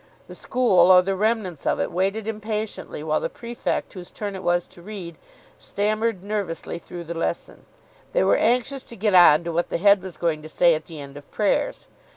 The school, or the remnants of it, waited impatiently while the prefect whose turn it was to read stammered nervously through the lesson. They were anxious to get on to what the Head was going to say at the end of prayers.